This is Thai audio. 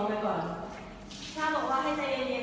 ช่างบอกว่าให้ใจเย็นเย็น